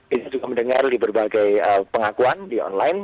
kita juga mendengar di berbagai pengakuan di online